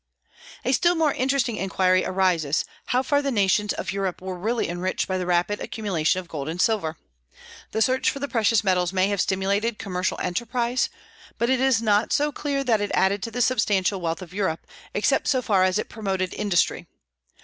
A still more interesting inquiry arises, how far the nations of Europe were really enriched by the rapid accumulation of gold and silver. The search for the precious metals may have stimulated commercial enterprise, but it is not so clear that it added to the substantial wealth of Europe, except so far as it promoted industry.